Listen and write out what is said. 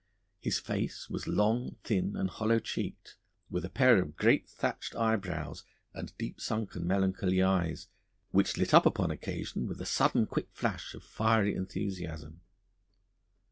His face was long, thin, and hollow cheeked, with a pair of great thatched eyebrows and deep sunken melancholy eyes, which lit up upon occasion with a sudden quick flash of fiery enthusiasm.